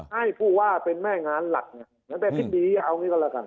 ให้ผู้ว่าเป็นแม่งานหลักอย่างแต่อธิบดีเอาอย่างนี้ก็แล้วกัน